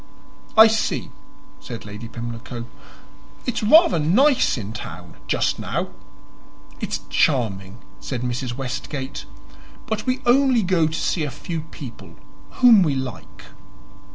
"I see," said Lady Pimlico. "It's rather nice in town just now." "It's charming," said Mrs. Westgate. "But we only go to see a few people whom we like."